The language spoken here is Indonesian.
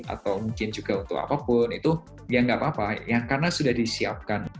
atau mungkin juga untuk apapun itu ya nggak apa apa karena sudah disiapkan